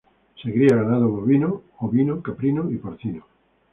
Se cría ganado bovino, ovino, caprino y porcino.